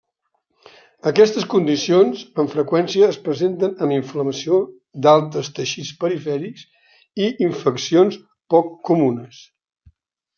Aquestes condicions amb freqüència es presenten amb inflamació d'altres teixits perifèrics i infeccions poc comunes.